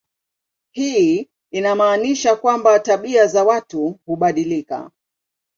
Hii inamaanisha kwamba tabia za watu hubadilika.